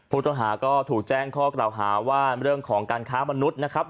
ผู้ต้องหาก็ถูกแจ้งข้อกล่าวหาว่าเรื่องของการค้ามนุษย์นะครับ